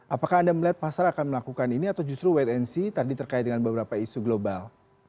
apakah anda melihat pasar akan melakukan ini atau justru wait and see tadi terkait dengan beberapa isu global